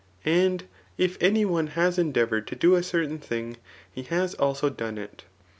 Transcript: And if any one has endeavoured to do a certain thing, he has also done it.